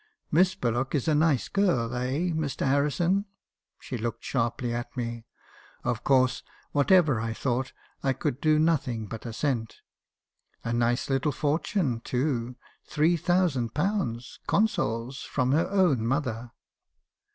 Miss Bullock is a nice girl, eh, Mr. Harrison?' She looked sharply at me. Of course, whatever I thought, I could do nothing but assent. 'A nice little fortune, too, — three thousand pounds, Consols, from her own mother.'